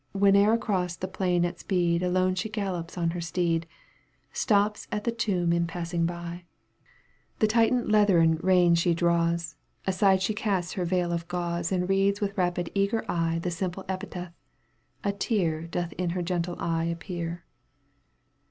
Whene'er across the plain at speed Alone she gallops on her steed, Stops at the tomb in passing by ; Digitized by LjOOQ 1С 180 EUGENE ON^GUINE. canto vi. The tightened leathern rein she draws, Aside she casts her veil of gauze And reads with rapid eager eye The simple epitaph — a tear Doth in her gentle eye appear.